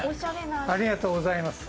ありがとうございます。